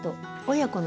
親子の？